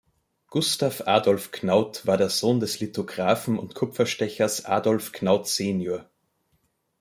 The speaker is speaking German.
Gustav Adolf Gnauth war der Sohn des Lithographen und Kupferstechers Adolf Gnauth sen.